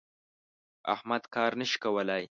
احمد کار نه شي کولای.